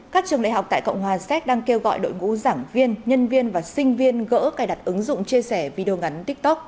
các trường đại học tại cộng hòa séc đang kêu gọi đội ngũ giảng viên nhân viên và sinh viên gỡ cài đặt ứng dụng chia sẻ video ngắn tiktok